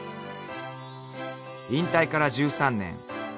［引退から１３年］